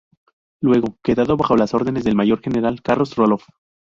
Luego, queda bajo las órdenes del Mayor general Carlos Roloff.